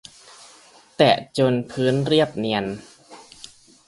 แตะจนรองพื้นเรียบเนียน